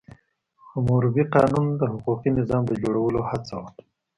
حموربي قانون د حقوقي نظام د جوړولو هڅه وه.